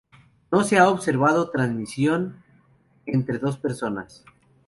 No se ha observado transmisión entre dos personas.